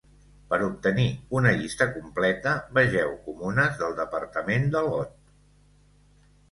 Per obtenir una llista completa, vegeu Comunes del departament de Lot.